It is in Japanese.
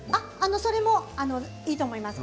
それもいいと思います。